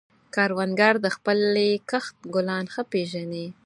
کروندګر د خپلې کښت ګلان ښه پېژني